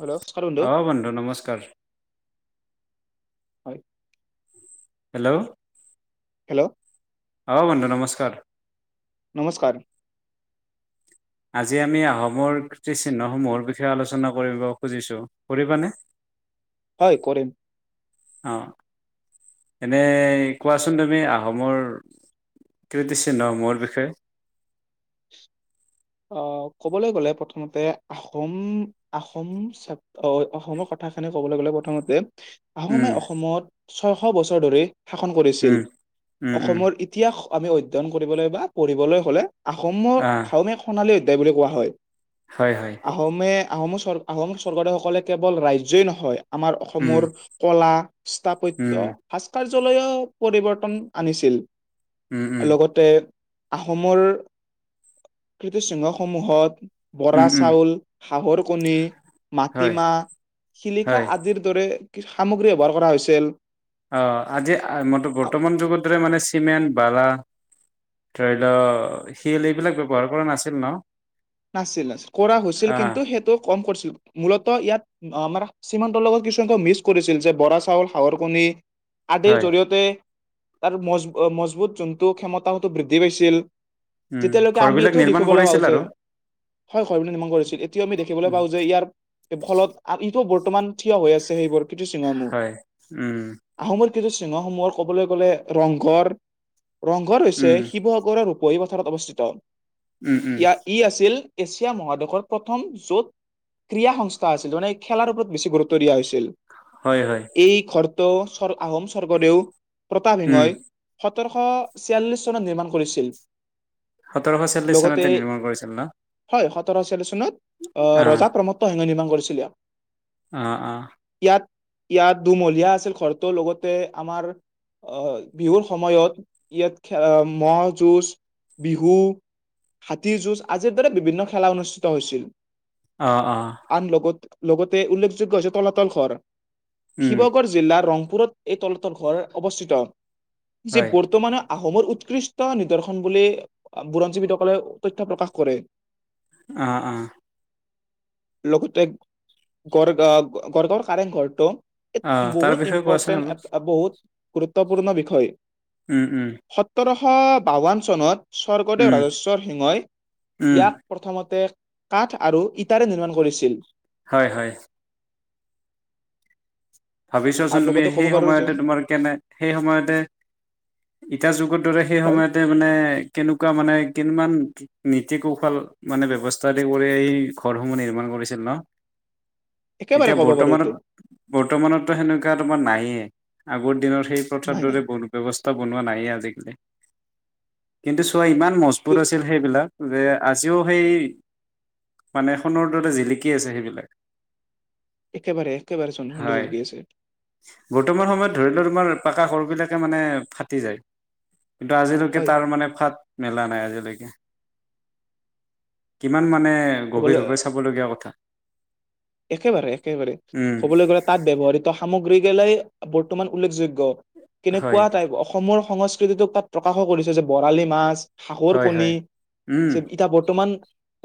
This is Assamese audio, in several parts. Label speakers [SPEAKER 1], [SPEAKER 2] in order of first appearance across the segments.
[SPEAKER 1] হেল্ল' নমস্কাৰ
[SPEAKER 2] অ বন্ধু নমস্কাৰ।
[SPEAKER 1] হয়।
[SPEAKER 2] হেল্ল'।
[SPEAKER 1] হেল্ল'।
[SPEAKER 2] অঁ বন্ধু নমস্কাৰ।
[SPEAKER 1] নমস্কাৰ।
[SPEAKER 2] আজি আমি আহোমৰ কীৰ্তিচিহ্নসমূহৰ বিষয়ে আলোচনা কৰিব খুজিছোঁ কৰিবানে।
[SPEAKER 1] হয় কৰিম।
[SPEAKER 2] অ এনে কোৱাচোন তুমি আহোমৰ ক্ৰিটিচিয়ানসমূহৰ বিষয়ে।
[SPEAKER 1] ক'বলৈ গ'লে প্ৰথমতে আহোম আহোম অসমৰ কথাখিনি ক'বলৈ গ'লে প্ৰথমতে। আহোমে
[SPEAKER 2] উম
[SPEAKER 1] অসমত। ছয়শ বছৰ ধৰি। শাসন কৰিছিল
[SPEAKER 2] উম উম উম
[SPEAKER 1] অসমৰ ইতিহাস। আমি অধ্যয়ন কৰিবলৈ বা পঢ়িবলৈ হ'লে। আহোমৰ
[SPEAKER 2] আহ
[SPEAKER 1] সাওমে ভাল অধ্যায় বুলি কোৱা হয়।
[SPEAKER 2] হয় হয়
[SPEAKER 1] আহোমে। আহোমৰ স্বৰ্গদেউ আহোম স্বৰ্গদেউসকলে কেৱল ৰাজ্যই নহয়। আমাৰ
[SPEAKER 2] উম
[SPEAKER 1] অসমৰ কলা
[SPEAKER 2] উম
[SPEAKER 1] স্থাপত্যৰ ভাস্কাৰ। জ লৈ পৰিৱৰ্তন আনিছিল।
[SPEAKER 2] উম উম
[SPEAKER 1] লগতে। আহোমৰ। কৃ্তিচিহ্নসমূহত। বৰা
[SPEAKER 2] উম উম
[SPEAKER 1] চাউল হাহৰ কণী
[SPEAKER 2] হয়
[SPEAKER 1] মাটিমাহ শিলিখা
[SPEAKER 2] হয়
[SPEAKER 1] আদিৰ দৰে। কি সামগ্ৰী ব্যৱহাৰ কৰা হৈছিল।
[SPEAKER 2] অ আজি ম বৰ্তমান যুগতৰে মানে চিমেণ্ট বালা ধৰি লোৱা শিল এইবিলাক ব্যয়ৱহাৰ কৰা নাছিল ন
[SPEAKER 1] নাছিল নাছিল কৰা হৈছিল
[SPEAKER 2] আহ
[SPEAKER 1] কিন্তু সেইটো কম কৰিছিল মূলত ইয়াত আমাৰ চিমান্তৰ লগত কিছুমানক মিচ কৰিছিল যে বৰা চাউল হাঁহৰ কণী আদিৰ
[SPEAKER 2] হয়
[SPEAKER 1] জৰিয়তে তাৰ মজবু মজবুত যোনটো ক্ষমতাও হয়টো বৃদ্ধি পাইছিল
[SPEAKER 2] উম
[SPEAKER 1] তেতিয়ালৈকে আমি
[SPEAKER 2] ঘৰবিলাক
[SPEAKER 1] এইটোও
[SPEAKER 2] নিৰ্মাণ
[SPEAKER 1] দেখিবলৈ পাওঁ
[SPEAKER 2] কৰিছিল
[SPEAKER 1] যে
[SPEAKER 2] আৰু
[SPEAKER 1] হয় হয় বুলি নিৰ্মাণ কৰিছিল এতিয়াও আমি দেখিবলৈ
[SPEAKER 2] উম
[SPEAKER 1] পাওঁ যে ইয়াৰ ফলত বৰ্তমান থিয় হৈ আছে সেইবোৰ কৃতি চিহ্ন বোৰ
[SPEAKER 2] হয় উম
[SPEAKER 1] আহোমৰ কৃতি চিহ্ন সমূহৰ ক'বলৈ গ'লে ৰংঘৰ ৰংঘৰ হৈছে
[SPEAKER 2] উম
[SPEAKER 1] শিৱসাগৰৰ পৰি পথাৰত অৱস্থিত
[SPEAKER 2] উম উম
[SPEAKER 1] ইয়া ই আছিল এছিয়া মহাদেশৰ প্ৰথম য'ত ক্ৰীড়া সংস্থা আছিল মানে খেলাৰ ওপৰত বেছি গুৰুত্ব দিয়া হৈছিল
[SPEAKER 2] হয় হয়
[SPEAKER 1] এই খৰ ত স্ব আহোম স্বৰ্গদেউ প্ৰতাপ
[SPEAKER 2] উম
[SPEAKER 1] সিংহই সোতৰশ ছিয়াল্লিছ চনত নিৰ্মাণ কৰিছিল
[SPEAKER 2] সোতৰশ চল্লিছ চনতে নিৰ্মা কৰিছিল ন
[SPEAKER 1] তচল্লিচ চনত
[SPEAKER 2] অ
[SPEAKER 1] ৰজা প্ৰমোত সিংহ‌ই নিৰ্মাণ কৰিছিল
[SPEAKER 2] অ অ
[SPEAKER 1] ইয়াত ইয়াত দুমহলীয়া আছিল ঘৰটো লগতে আমাৰ অ বিহুৰ সময়ত ইয়াত ম' যুজ বিহু হাতিৰ যুঁজ আজি দৰে বিভিন্ন খেলা অনুষ্ঠিত হৈছিল
[SPEAKER 2] অ অ
[SPEAKER 1] আন লোকত লগতে উল্লেখযোগ্য হৈছে তলাতল ঘৰ
[SPEAKER 2] উম
[SPEAKER 1] শিবসাগৰ জিলাৰ ৰং পুৰত এই তলতৰ ঘৰ অৱস্থিত যে
[SPEAKER 2] হয়
[SPEAKER 1] বৰ্তমানৰ আহোমৰ উৎকৃষ্ট নিদৰ্শন বুলি বুৰঞ্জীবিদসকলে তথ্য প্ৰকাশ কৰে
[SPEAKER 2] অঁ অঁ
[SPEAKER 1] লগতে গড়গাৱ গড়গাঁৱৰ কাৰেং ঘৰটো
[SPEAKER 2] অ তাৰ
[SPEAKER 1] বহুত
[SPEAKER 2] বিষয়ে কোৱাচোন
[SPEAKER 1] ইম্পৰ্টেণ্ট
[SPEAKER 2] অলপ
[SPEAKER 1] এ বহুত গুৰুত্বপূৰ্ণ বিষয়-
[SPEAKER 2] উম উম।
[SPEAKER 1] শ বাৱন চনত-। স্বৰ্গদেৱ
[SPEAKER 2] উম
[SPEAKER 1] ৰাজেশ্বৰ-।
[SPEAKER 2] উম
[SPEAKER 1] ইয়াক প্ৰথম-। মতে কাঠ আৰু ইটাৰে নিৰ্মাণ কৰিছিল।
[SPEAKER 2] হয় হয়। ভাবিছোৱাচোন
[SPEAKER 1] আৰু
[SPEAKER 2] তুমি
[SPEAKER 1] লগতে ক'ব
[SPEAKER 2] সেই
[SPEAKER 1] পাৰো যে
[SPEAKER 2] সময়তে তোমাৰ কেনে সেই সময়তে ইটা যুগত-। সেই
[SPEAKER 1] হয়
[SPEAKER 2] সময়তে মানে কেনেকুৱা মানে-। কিমান নীতি কৌশল মানে ব্যৱস্থা আদি কৰি এই ঘৰসমূহ নিৰ্মাণ কৰিছিল ন।
[SPEAKER 1] একেবাৰে
[SPEAKER 2] এতিয়া
[SPEAKER 1] ক'ব পাৰো
[SPEAKER 2] বৰ্তমানত
[SPEAKER 1] টো।
[SPEAKER 2] বৰ্তমানতো সেনেকুৱা তোমাৰ নায়ে আগৰ দিনত-। সেই
[SPEAKER 1] নাই
[SPEAKER 2] দৰে
[SPEAKER 1] নাই
[SPEAKER 2] ব্যৱস্থা-। বনোৱা নাইয়ে আজিকালি। কিন্তু চোৱা ইমান-
[SPEAKER 1] এইটো
[SPEAKER 2] মজবুত আছিল সেইবিলাক। যে আজিও সেই মানে সোণৰ দৰে জিলিকি আছে সেইবিলাক।
[SPEAKER 1] একেবাৰে-। একেবাৰে
[SPEAKER 2] হয়
[SPEAKER 1] চন্দ্ৰচন্দ্ৰ কি আছে
[SPEAKER 2] বৰ্তমান সময়ত ধৰি লও তোমাৰ-। পাকা সৰু বিলাকে মানে ফাটি যায়। কিন্তু আজিলৈকে
[SPEAKER 1] হয়
[SPEAKER 2] তাৰ মানে ফাত-। মেলা নাই আজিলৈকে। কিমান মানে- এ
[SPEAKER 1] ক'বলৈ
[SPEAKER 2] গভীৰভাৱে চাবলগীয়া কথা।
[SPEAKER 1] একেবাৰে একেবাৰে
[SPEAKER 2] উম,
[SPEAKER 1] ক'বলৈ গ'লে-। তাত ব্যৱহৃত সামগ্ৰী গিলাই বৰ্তমান উল্লেখযোগ্য।
[SPEAKER 2] হয়,
[SPEAKER 1] কেনেকুৱা টাইপ অসমৰ-। সংস্কৃতিটোক তাত প্ৰকাশকো কৰিছে যে বৰালি মাছ-। হাঁহৰ
[SPEAKER 2] হয়,
[SPEAKER 1] কণী
[SPEAKER 2] হয়। উম,
[SPEAKER 1] এতিয়া বৰ্তমান-।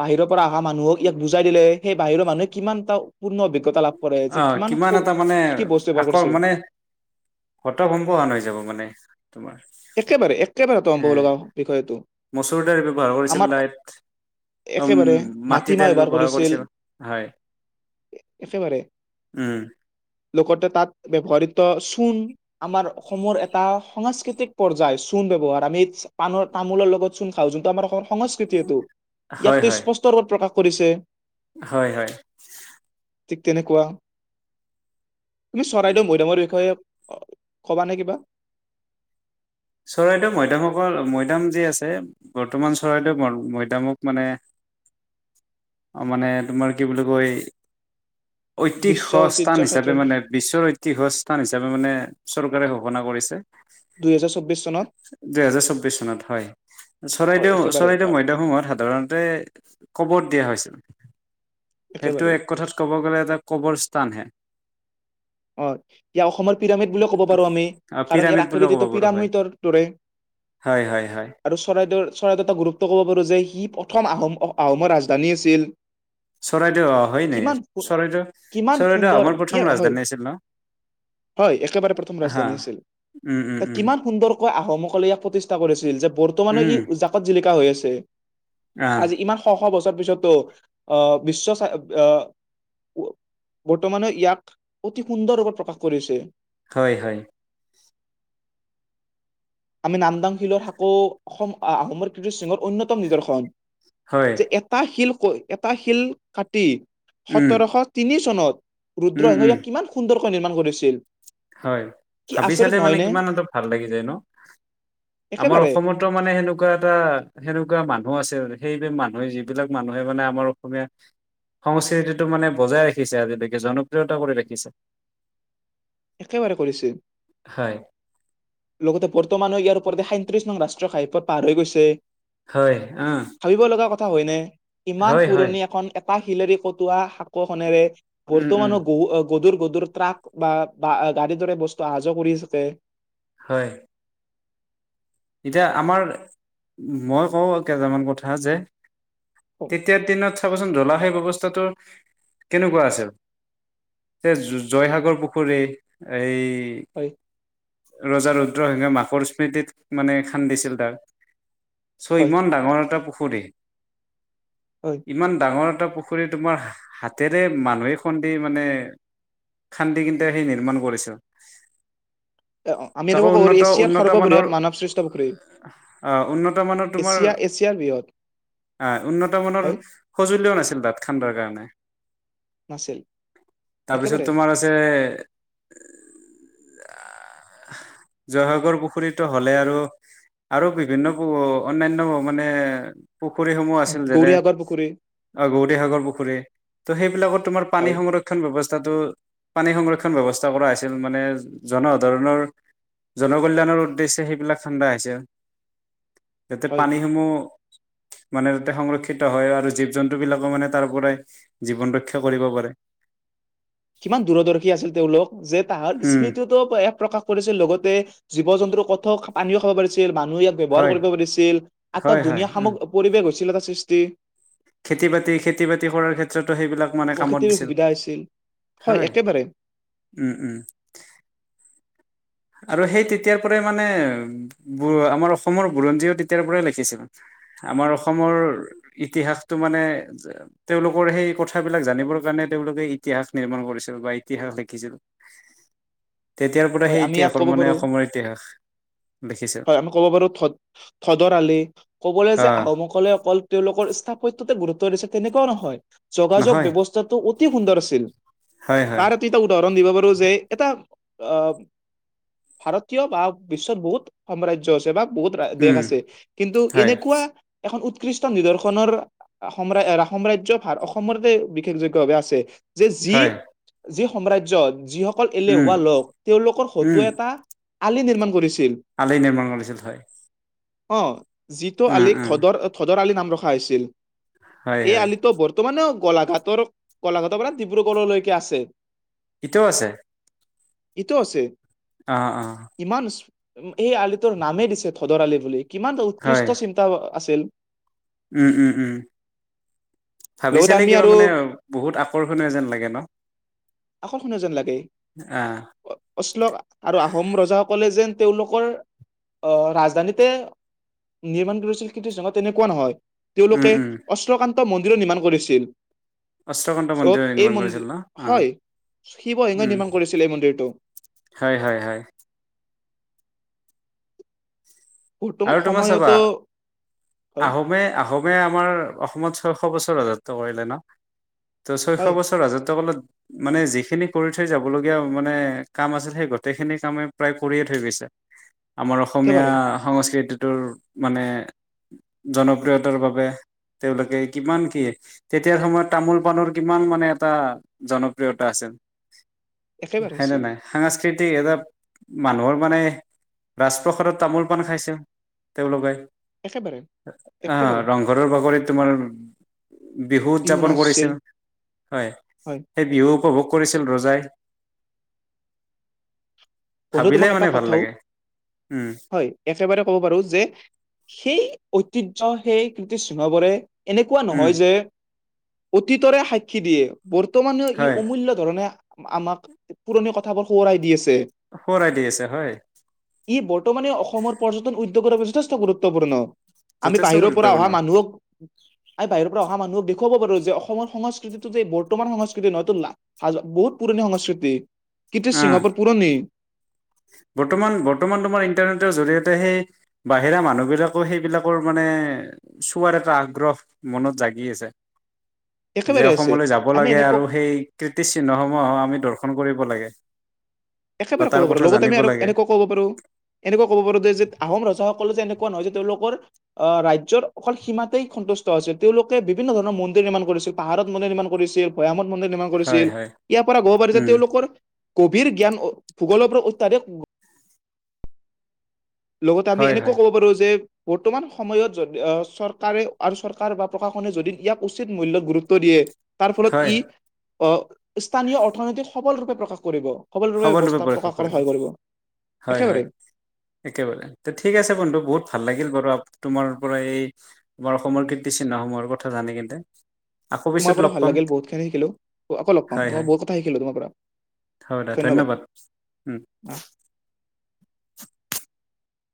[SPEAKER 1] বাহিৰৰ পৰা অহা মানুহক ইয়াক বুজাই দিলে সেই বাহিৰৰ মানুহে কিমান-। পূৰ্ণ অভিজ্ঞা লাভ-। কৰে
[SPEAKER 2] অ
[SPEAKER 1] যে
[SPEAKER 2] কিমান এটা মানে
[SPEAKER 1] কি কি বস্তু ব্যৱহাৰ
[SPEAKER 2] আক
[SPEAKER 1] কৰিছে
[SPEAKER 2] মানে হৈ যাব মানে। তোমাৰ।
[SPEAKER 1] একেবাৰে একেবাৰে
[SPEAKER 2] এ
[SPEAKER 1] সমম্ভ লগা বিষয়টো।
[SPEAKER 2] মচুৰ দাইল ব্যৱহাৰ কৰিছিল
[SPEAKER 1] আমাৰ
[SPEAKER 2] লাই উম
[SPEAKER 1] একেবাৰে
[SPEAKER 2] মাটি দাইল
[SPEAKER 1] মাটিমাহ ব্যৱহাৰ কৰিছিল
[SPEAKER 2] হয়
[SPEAKER 1] একেবাৰে।
[SPEAKER 2] উম।
[SPEAKER 1] লগতে তাত ব্যৱহাৰিত চূণ আমাৰ অসমৰ এটা সাংস্কৃতিক-। পৰ যায়। চূণ ব্যৱহাৰ আমি পাণৰ তামোলৰ লগত চূণ খাওঁ, যোনটো আমাৰ অসম সংস্কৃতি এইটো। ইয়াক
[SPEAKER 2] হয়
[SPEAKER 1] তই
[SPEAKER 2] হয়
[SPEAKER 1] স্পষ্ট ৰূপত প্ৰকাশ কৰিছে।
[SPEAKER 2] হয় - হয়।
[SPEAKER 1] ঠিক তেনেকুৱা কি চৰাইদেউ মৈদামৰ বিষয়ে অ' কবা নে কিবা?
[SPEAKER 2] চৰাইদেউ মৈদামসকল- মৈদাম যি আছে বৰ্তমান চৰাইদেউ ম- মৈদামক মানে- অ' মানে তোমাৰ কি বুলি কয় ঐতিহ
[SPEAKER 1] বিশ্ব ঐতিহ্য
[SPEAKER 2] স্থান হিচাপে
[SPEAKER 1] ক্ষেত্ৰৰ
[SPEAKER 2] মানে- বিশ্বৰ ঐতিহ স্থান হিচাপে মানে স্বৰূপ কাৰে ঘোষণা কৰিছে।
[SPEAKER 1] দুইহেজাৰ
[SPEAKER 2] দুহেজাৰ চৌবিশ চনত, হয়।
[SPEAKER 1] অ
[SPEAKER 2] চৰাইদেউ-
[SPEAKER 1] একেবাৰে
[SPEAKER 2] চৰাইদেউ
[SPEAKER 1] আ,
[SPEAKER 2] মৈদামসমূহত সাধাৰণতে কবৰ দিয়া হৈছিল। সেইটো
[SPEAKER 1] একেবাৰে
[SPEAKER 2] এক কথাত ক'ব গ'লে এটা কবৰ স্থানহে।
[SPEAKER 1] অ' ইয়াক অসমৰ পিৰামিড বুলি ক'ব পাৰোঁ আমি।
[SPEAKER 2] আ,
[SPEAKER 1] কাৰণ ইয়াৰ
[SPEAKER 2] পিৰামিড বুলিও ক'ব
[SPEAKER 1] আকৃতিটো
[SPEAKER 2] পাৰো হয়
[SPEAKER 1] পিৰামিড ডৰ দৰে।
[SPEAKER 2] হয় হয় হয়
[SPEAKER 1] আৰু চৰাইদেউৰ- চৰাইদেউ এটা গুৰুত্ব ক'ব পাৰোঁ যে সি প্ৰথম আহোম- অ' আহোমৰ ৰাজধানী আছিল।
[SPEAKER 2] চৰাইদেউ অ' হয় নে?
[SPEAKER 1] কিমান সু-
[SPEAKER 2] চৰাইদেউ-
[SPEAKER 1] কিমান
[SPEAKER 2] চৰাইদেউ
[SPEAKER 1] সুন্দৰ
[SPEAKER 2] আমাৰ
[SPEAKER 1] ইয়াৰ
[SPEAKER 2] প্ৰথম
[SPEAKER 1] হয়
[SPEAKER 2] ৰাজধানী আছিল ন'?
[SPEAKER 1] হয়। একেবাৰে প্ৰথম
[SPEAKER 2] হা
[SPEAKER 1] ৰাজধানী আছিল।
[SPEAKER 2] উম উম
[SPEAKER 1] তাক
[SPEAKER 2] উম
[SPEAKER 1] কিমান সুন্দৰ কৈ আহোমকলে ইয়াক প্ৰতিষ্ঠা কৰিছিল, যে বৰ্তমানেও
[SPEAKER 2] উম
[SPEAKER 1] ই জাকত জিলিকা হৈ আছে। ছে।
[SPEAKER 2] আহ
[SPEAKER 1] আজি- ইমান শ-শ বছ ৰ পিছতো অ' বিশ্ব স্বা- অ' বৰ্তমানে ইয়াক অতি সুন্দৰ ৰূপত প্ৰকাশ কৰিছে।
[SPEAKER 2] হয় - হয়।
[SPEAKER 1] আমি নামদাং শিলৰ সাঁকো অসম অ'- আহোমৰ কীৰ্তিচিহ্নৰ অন্যতম নিদৰ্শন।
[SPEAKER 2] হয়
[SPEAKER 1] যে এটা শিল কৈ এটা শিল কাটি
[SPEAKER 2] উম
[SPEAKER 1] সোতৰশ তিনি চনত
[SPEAKER 2] উম
[SPEAKER 1] ৰুদ্ৰসিংহই
[SPEAKER 2] উম
[SPEAKER 1] ইয়াক কিমান সুন্দৰ কৈ নিৰ্মাণ কৰিছিল।
[SPEAKER 2] হয়,
[SPEAKER 1] কি
[SPEAKER 2] ভাবি
[SPEAKER 1] আচৰিত
[SPEAKER 2] চালে মানে
[SPEAKER 1] নহয় নে
[SPEAKER 2] কিমান এটা ভাল লাগি যায়, ন'? আমাৰ
[SPEAKER 1] একেবাৰে
[SPEAKER 2] অসমতো মানে সেনেকুৱা এটা- সেনেকুৱা মানুহ আছিল ৰে। সেইব মানুহে যিবিলাক মানুহে মানে আমাৰ অসমীয়া সংস্কৃতিটো মানে বজাই ৰাখিছে আজিলৈকে জনপ্ৰিয়তা কৰি ৰাখিছে।
[SPEAKER 1] একেবাৰে কৰিছিল।
[SPEAKER 2] হয়
[SPEAKER 1] লগতে বৰ্তমানহ আৰু পৰ দেখাই। ত্ৰিশ নং ৰাষ্ট্ৰীয় ঘাইপথ পাৰ হৈ গৈছে।
[SPEAKER 2] হয় আহ।
[SPEAKER 1] তাৰ হয়নে। ইমান পুৰণি এখন। ক শিলাৰী কটোৱা শাকোখনেৰে
[SPEAKER 2] উম উম
[SPEAKER 1] বৰ্তমান গৰু। গধুৰ গদুৰ ট্ৰাক বা। বা গাড়ীৰ দৰে বস্তু অহা যোৱা কৰি থাকে।
[SPEAKER 2] হয় এতিয়া আমাৰ মই কওঁ কেইটামান কথা যে। তেতিয়াৰ দিনত চাবচোন ধোলা। সেই বৱস্থাটো কেনেকুৱা আছিল যে জয়সাগৰ পুখুৰী এই। এই
[SPEAKER 1] হয়
[SPEAKER 2] ৰজা ৰুদ্ৰসিংহে মাকৰ স্মৃতিত। মানে একচন দিচিল তাৰ। চ
[SPEAKER 1] হয়
[SPEAKER 2] ইমান ডাঙৰ এটা পুখুৰী। সুৰি।
[SPEAKER 1] হয়
[SPEAKER 2] ইমান ডাঙৰ। টা পুখুৰী তোমাৰ হাতেৰে মানুহে খু্দি মানে খান্দি কিন্ত সেই নিৰমাণ কৰিছে।
[SPEAKER 1] অ আমিনেক ক এছিয়াৰ সৰ্ববৃহৎ মানৱ সৃষ্ট। পুখুৰী
[SPEAKER 2] অ উন্নত মানৰ তোমাৰ
[SPEAKER 1] এছিয়া এছিয়াৰ বৃহৎ
[SPEAKER 2] আহ উন্নত মানৰ
[SPEAKER 1] হয়
[SPEAKER 2] সঁজুলিও নাছিল তাত খানডাৰ কাৰণে?
[SPEAKER 1] নাছিল
[SPEAKER 2] তাৰপিছত
[SPEAKER 1] একেবাৰে
[SPEAKER 2] তোমাৰ আছে? জয়সাগৰ পুখুৰীতো। হলে আৰু আৰু বিভিন্ন অনান্য হৱ মানে। পুখুৰী সমূহ আছিল যেনে
[SPEAKER 1] গৌৰীসাগৰ পুখুৰী
[SPEAKER 2] অ গৌৰীসাগৰ পুখুৰী ত' সেইবিলাকত তোমাৰ পানী
[SPEAKER 1] হয়
[SPEAKER 2] সংৰক্ষন ব্যৱস্থা? স্থো পানী সংৰক্ষণ ব্যৱস্থা কৰা হৈছিল মানে জনসাধাৰণৰ জনকল্যাণৰ উদ্দেশ্য। ত সেইবিলাক ঠাণ্ডা হৈছে। যাতে
[SPEAKER 1] হয়
[SPEAKER 2] পানীসমূহ। মানে তাতে সংৰক্ষিত হয় আৰু জীৱ জন্তুবিলাকো মানে তাৰ পৰাই জীৱন ৰক্ষা কৰিব পাৰে।
[SPEAKER 1] কিমান দূৰদৰ্শী আছিল তেওঁলোক যে তাহাৰ
[SPEAKER 2] উম
[SPEAKER 1] স্মৃতিটোো এক প্ৰকাশ কৰিছিল লগতে জীৱ জন্তু। কথ পানীও খাব পাৰিছিল মানুহ ইয়াক ব্যৱহাৰ
[SPEAKER 2] হয়
[SPEAKER 1] কৰিব পাৰছিল
[SPEAKER 2] হয়
[SPEAKER 1] আটক
[SPEAKER 2] হয়
[SPEAKER 1] ধুনীয়া
[SPEAKER 2] উম
[SPEAKER 1] সামগ্ৰী পৰিবেশ হৈছিল এটা সৃষ্টি
[SPEAKER 2] খেতি বাতি খেতি বাতি কৰাৰ ক্ষেত্ৰত ত সেইবিলাক মানে কামত
[SPEAKER 1] প্ৰকৃতিৰ
[SPEAKER 2] দিছিল
[SPEAKER 1] সুবিধা হৈছিল
[SPEAKER 2] হয় উ উ আৰু সেই তেতিয়াৰ পৰাই মানে আমাৰ অসমৰ বুৰঞ্জীও তেতিয়াৰ পৰাই লিখিছিল আমাৰ অসমৰ ইতিহাসটো মানে তেওঁলোকৰ সেই কথাবিলাক জানিবৰ কাৰণে তেওঁলোকে ইতিহাস নিৰ্মাণ কৰিছিল বা ইতিহাস লিখিছিল তেতিয়াৰ পৰা
[SPEAKER 1] হয়
[SPEAKER 2] সেই
[SPEAKER 1] আমি ইয়াত কব
[SPEAKER 2] মানে
[SPEAKER 1] পাৰো
[SPEAKER 2] অসমৰ ইতিহাস লিখিছে
[SPEAKER 1] হয় আমি কব পাৰো থ থদৰ আলি কবলৈ যে
[SPEAKER 2] আহ
[SPEAKER 1] আহোমসকলে অকল তেওঁলোকৰ স্থাপিত তোতে গুৰুত্ব দিছে তেনেকোৱাও নহয় যোগাযোগ
[SPEAKER 2] নহয়
[SPEAKER 1] ব্যৱস্থাটো অতি সুন্দৰ আছিল
[SPEAKER 2] হয় হয়
[SPEAKER 1] তাৰ এতিটা উদাহৰণ দিব পাৰো টো যে এটা অ ভাৰতীয় বা বিশ্বৰ বহুত সাম্ৰাজ্য আছে বা বহুত দেশ
[SPEAKER 2] উম
[SPEAKER 1] আছে কিন্তু
[SPEAKER 2] হয়
[SPEAKER 1] এনেকোৱা এখন উৎ খ্ৰীষ্ট নিদৰ্শনৰ সম সাম্ৰাজ্য ভাৰ অসমতে বিশেষভাৱে আছে যে যি
[SPEAKER 2] হয়
[SPEAKER 1] যি সাম্ৰাজ্যত যিসকল অকল
[SPEAKER 2] উম
[SPEAKER 1] এলেহুৱা লগ তেওঁলোকৰ হয়তো এটা আলি নিৰ্মাণ কৰিছে
[SPEAKER 2] আালি নিৰ্মাণ কৰিছিল হয়
[SPEAKER 1] অ যিটো
[SPEAKER 2] উম
[SPEAKER 1] আলিক
[SPEAKER 2] উম
[SPEAKER 1] থতৰ ৰ আলি নাম ৰখা হৈছিল
[SPEAKER 2] হয়
[SPEAKER 1] এই
[SPEAKER 2] হয়
[SPEAKER 1] আলিটো বৰ্তমানেও গোলাঘাটৰ গোলাঘাটৰ পৰা ডিব্ৰুগড়লৈকে আছে
[SPEAKER 2] এতিয়াও আছে
[SPEAKER 1] ইটো আছে
[SPEAKER 2] অহ অ
[SPEAKER 1] উ সেই আলিটোৰ নামেই দিছে ধোদৰ আলি বুলি কিমান
[SPEAKER 2] হয়
[SPEAKER 1] উৎকৃষ্ট চিন্তা আছিল
[SPEAKER 2] উম উম উম ভাবি
[SPEAKER 1] লগতে
[SPEAKER 2] চালে
[SPEAKER 1] আমি
[SPEAKER 2] কিবা
[SPEAKER 1] আৰু
[SPEAKER 2] মানে বহুত আকৰ্ষণীয় যেন লাগে ন
[SPEAKER 1] আকৰ্ষণীয় যেন লাগে
[SPEAKER 2] আহ
[SPEAKER 1] অশ্লোক আৰু আহোম ৰজাসকলে যেন তেওঁলোকৰ অহ ৰাজধানীতে নিৰ্মাণ কৰিছিল কীৰ্তিচিহ্ন তেনেকোৱা নহয়
[SPEAKER 2] উম,
[SPEAKER 1] তেওঁলোকে
[SPEAKER 2] উম,
[SPEAKER 1] অস্ত্ৰকান্ত ত মন নিৰ্মান কৰিছিল।
[SPEAKER 2] অষ্টকান্ত
[SPEAKER 1] য'ত
[SPEAKER 2] মন্দিৰ
[SPEAKER 1] এই
[SPEAKER 2] নিৰ্মাণ কৰিছিল
[SPEAKER 1] মন্দিৰ
[SPEAKER 2] ন? অ',
[SPEAKER 1] হয় শিৱসিংহই
[SPEAKER 2] উম,
[SPEAKER 1] নিৰ্মাণ কৰিছিল এই মন্দিৰটো।
[SPEAKER 2] হয়, হয়, হয়।
[SPEAKER 1] বৰ্তমান
[SPEAKER 2] আৰু তোমাৰ চাবা
[SPEAKER 1] সময়তো হয়
[SPEAKER 2] আহোমে- আহোমে আমাৰ অসমত ছয়শ বছৰ ৰাজত্ব কৰিলে ন? তো ছয়শ
[SPEAKER 1] হয়
[SPEAKER 2] বছৰ ৰাজত্ব কালত মানে যিখিনি কৰি থৈ যাবলগীয়া মানে কাম আছিল সেই গোটেইখিনি কামে প্ৰায় কৰিয়ে থৈ গৈছে। আমাৰ অসমীয়া
[SPEAKER 1] একেবাৰে
[SPEAKER 2] সংস্কৃতিটোৰ মানে জনপ্ৰিয়তাৰ বাবে তেওঁলোকে কিমান কি তেতিয়াৰ সময়ত তামোল পাণৰ কিমান মানে এটা জনপ্ৰিয়তা আছিল।
[SPEAKER 1] একেবাৰে
[SPEAKER 2] সেনে
[SPEAKER 1] আছিল
[SPEAKER 2] নাই সাংস্কৃ কৃতি এটা মানুহৰ মানে ৰাজপ্ৰসাৰত তামোল। অকন খাইছে তেওঁলোকে।
[SPEAKER 1] একেবাৰে
[SPEAKER 2] অ
[SPEAKER 1] একেবাৰে
[SPEAKER 2] ৰংঘৰৰ বাগৰিত। তোমাৰ বিহু উদযাপন
[SPEAKER 1] নাচ আছিল
[SPEAKER 2] কৰিছিল হয়
[SPEAKER 1] হয়
[SPEAKER 2] সেই বিহু উপভোগ কৰিছিল ৰজাই
[SPEAKER 1] বন্ধু
[SPEAKER 2] ভাবিলে
[SPEAKER 1] তোমাক এটা
[SPEAKER 2] মানে ভাল
[SPEAKER 1] কথাও
[SPEAKER 2] লাগে উম।
[SPEAKER 1] হয় একেবাৰে ক'ব পাৰো যে সেই ঐতিহ্যৰ সেই কীৰ্তি চিহ্নবোৰে এনেকুৱা
[SPEAKER 2] উম
[SPEAKER 1] নহয় যে। অতীতৰে সাক্ষী দিয়ে। বৰ্তমানেও ই
[SPEAKER 2] হয়
[SPEAKER 1] অমূল্য ধৰণে। আমাক পুৰণি কথাবোৰ সোৱৰাই দি আছে।
[SPEAKER 2] সোঁৱৰাই দি আছে হয়
[SPEAKER 1] ই বৰ্তমানে অসমৰ পৰ্যটন উদ্যোগৰ বাবে স্থ যথেষ্ট গুৰুত্বপূৰ্ণ। আমি
[SPEAKER 2] যথেষ্ট
[SPEAKER 1] বাহিৰৰ পৰা অহা
[SPEAKER 2] গুৰুত্বপূৰ্ণ
[SPEAKER 1] মানুহক, আমি বাহিৰৰ পৰা অহা মানুহক দেখ দেখুৱাব পাৰো যে অসমৰ সংস্কৃতিটো যে বৰ্তমান সংস্কৃতি নহয় তো লা হাজাৰ বহুত পুৰণি সংস্কৃতি। কৃতি
[SPEAKER 2] আহ
[SPEAKER 1] চিহ্নবোৰ পুৰণি।
[SPEAKER 2] বৰ্তমান বৰ্তমান তোমাৰ ইণ্টাৰনেটৰ জৰিয়তে সেই বাহিৰা মানুহবিলাকো সেইবিলাকৰ মানে চোৱাৰ এটা আগ্ৰহ মনত জাগি আছে। যে
[SPEAKER 1] একেবাৰে আছে
[SPEAKER 2] অসমলৈ যাব
[SPEAKER 1] আমি
[SPEAKER 2] লাগে
[SPEAKER 1] এনেকুৱা
[SPEAKER 2] আৰু সেই কীৰ্তিচিহ্নসমূহ আমি দৰ্শ কৰিব লাগে। বা
[SPEAKER 1] একেবাৰে
[SPEAKER 2] তাৰ
[SPEAKER 1] ক'ব পাৰো
[SPEAKER 2] কথা
[SPEAKER 1] লগতে আমি
[SPEAKER 2] জানিব লাগে
[SPEAKER 1] এনেকুৱা কৰিব পাৰো এনেক কব পাৰো যে আহোম ৰজাসকলে যে এনেকুৱা নহয় যে তেওঁলোকৰ আহ ৰাজ্যৰ অকল সীমাতেই সন্তুষ্ট আছিল তেওঁলোকে বিভিন্ন ধৰণৰ মন্দিৰ নিৰ্মাণ কৰিছিল পাহাৰত মন্দিৰ নিৰ্মাণ কৰিছিল ভৈয়ামত মন্দিৰ নিৰ্মাণ
[SPEAKER 2] হয়
[SPEAKER 1] কৰিছিল
[SPEAKER 2] হয়
[SPEAKER 1] ইয়াৰ পৰা ক'ব পাৰি যে
[SPEAKER 2] উম
[SPEAKER 1] তেওঁলোকৰ গভীৰ জ্ঞান ভূগোলৰ পৰা লগতে আমি
[SPEAKER 2] হয় হয়
[SPEAKER 1] এনেকুৱাও ক'ব পাৰো যে বৰ্তমান সময়ত যদি আহ চৰকাৰে আৰু চৰকাৰ বা প্ৰশাসনে যদি ইয়াক উচিত মূল্যত গুৰুত্ব দিয়ে তাৰ ফলত
[SPEAKER 2] হয়
[SPEAKER 1] ই অহ স্থানীয় অৰ্থনীতিক সবল ৰূপে প্ৰকাশ কৰিব সবলৰূপে ব্যৱস্থা
[SPEAKER 2] পৰীক্ষা
[SPEAKER 1] প্ৰকাশ কৰাত
[SPEAKER 2] কৰিব
[SPEAKER 1] সহায় কৰিব।
[SPEAKER 2] হয় হয়
[SPEAKER 1] একেবাৰে
[SPEAKER 2] একেবাৰে তে ঠিক আছে বন্ধু বহুত ভাল লাগিল বাৰু তোমাৰ পৰা এই তোমাৰ অসমৰ কীৰ্তিচিহ্নসমূহৰ কথা জানি কিনে
[SPEAKER 1] তোমাৰ পৰা ভাল লাগিল বহুতখিনি শিকিলো আকৌ লগ
[SPEAKER 2] হয়
[SPEAKER 1] পাম তোমাৰ
[SPEAKER 2] হয়
[SPEAKER 1] বহুত কথা শিকিলো তোমাৰ পৰা
[SPEAKER 2] হ'ব ধন্যবাদ, উম